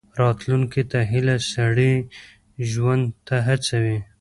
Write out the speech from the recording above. راتلونکي ته هیله، سړی ژوند ته هڅوي.